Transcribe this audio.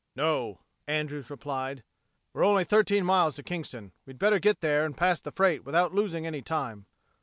"No," Andrews replied, "we're only thirteen miles to Kingston. We better get there and past the freight without losing any time."